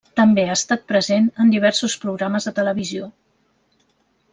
També ha estat present en diversos programes de televisió.